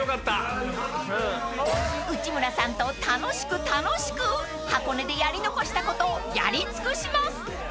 ［内村さんと楽しく楽しく箱根でやり残したことをやり尽くします］